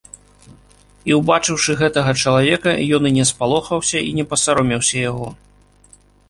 І, убачыўшы гэтага чалавека, ён і не спалохаўся, і не пасаромеўся яго.